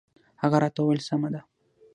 هغه راته وویل سمه ده.